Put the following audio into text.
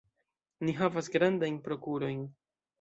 Ni havas grandajn prokurojn.